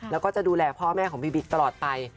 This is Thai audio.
แล้วก็จะดูแลพ่อแม่ของพี่บิ๊กตลอดไป